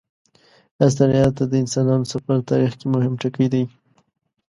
استرالیا ته د انسانانو سفر تاریخ کې مهم ټکی دی.